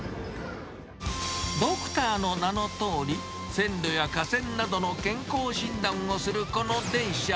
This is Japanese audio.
ドクターの名のとおり、線路や架線などの健康診断をするこの電車。